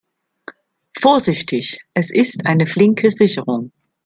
Vorsichtig, es ist eine flinke Sicherung.